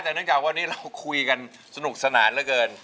เพราะแนนกาวว่าวันนี้เราคุยกันสนุกสนานเหลือเกิน